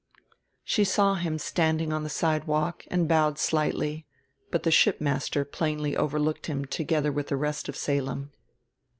She saw him standing on the sidewalk and bowed slightly, but the shipmaster plainly overlooked him together with the rest of Salem.